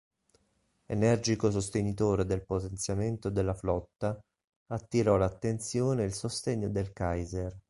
Energico sostenitore del potenziamento della flotta, attirò l'attenzione e il sostegno del Kaiser.